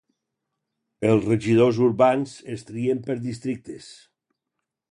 Els regidors urbans es trien per districtes.